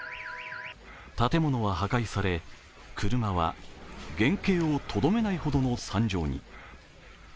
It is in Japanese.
建物は破壊され、車は原型をとどめないほどの惨状に。